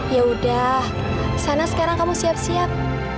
yaudah sana sekarang kamu siap siap